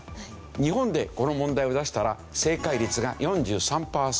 日本でこの問題を出したら正解率が４３パーセント。